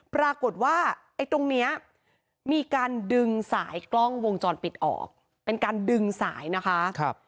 ปรากฏว่าไอ้ตรงนี้มีการดึงสายกล้องวงจรปิดออกเป็นการดึงสายนะคะ